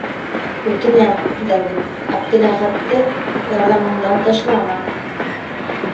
Үтенәм, Давид, Әптеләхәтте ярҙамыңдан ташлама!